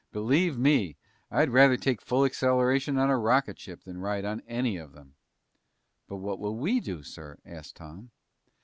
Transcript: Believe me, I'd rather take full acceleration on a rocket ship than ride on any of them." "But what will we do, sir?" asked Tom.